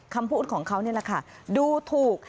คำพูดของเขานี่แหละค่ะดูถูก